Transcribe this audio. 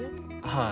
はい。